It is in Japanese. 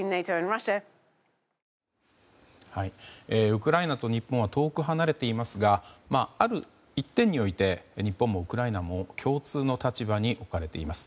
ウクライナと日本は遠く離れていますがある一点において日本もウクライナも共通の立場に置かれています。